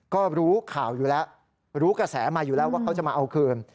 ก็รู้ข่าวอยู่แล้วรู้กระแสมาอยู่แล้วว่าเขาจะมาเอาคืน